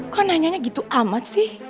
kok nanyanya gitu amat sih